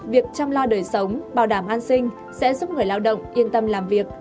việc chăm lo đời sống bảo đảm an sinh sẽ giúp người lao động yên tâm làm việc